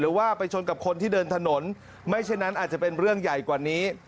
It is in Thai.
ว่าไปชนกับคนที่เดินถนนไม่เช่นนั้นอาจจะเป็นเรื่องใหญ่กว่านี้